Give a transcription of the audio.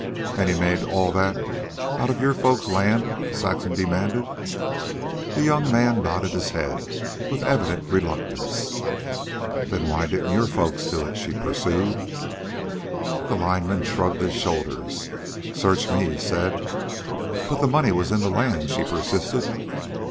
"And he made all that out of your folks' land?" Saxon demanded. The young man nodded his head with evident reluctance. "Then why didn't your folks do it?" she pursued. The lineman shrugged his shoulders. "Search me," he said. "But the money was in the land," she persisted.